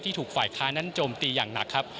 ถูกฝ่ายค้านั้นโจมตีอย่างหนักครับ